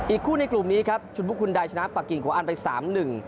คู่ในกลุ่มนี้ครับชุดบุคคุณใดชนะปากกิ่งของอันไปสามหนึ่ง